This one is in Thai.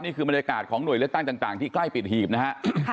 นี่คือบรรยากาศของหน่วยเลือกตั้งต่างที่ใกล้ปิดหีบนะฮะ